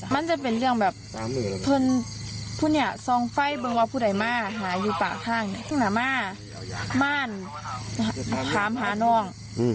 มันจะเป็นเรื่องแบบทุนเนี่ยทรงไฟ่เบื้องวัวผู้ใดหมาหายุประห้างตึงหมาม่านหามหานอง